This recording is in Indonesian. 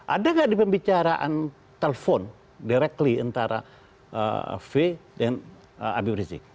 ada nggak di pembicaraan telepon directly antara faye dan abi brzee